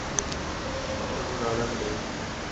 কোনো রাডার নেই।